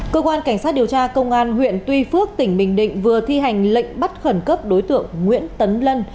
cơ quan cảnh sát điều tra công an huyện tuy phước tỉnh bình định vừa thi hành lệnh bắt khẩn cấp đối tượng nguyễn tấn lân